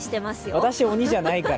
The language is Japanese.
私、鬼じゃないから。